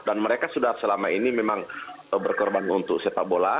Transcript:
dan mereka sudah selama ini memang berkorban untuk sepak bola